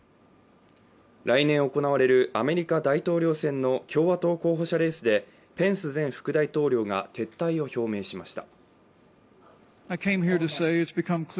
来年行われるアメリカ大統領選の共和党候補者レースでペンス前副大統領が撤退を表明しました。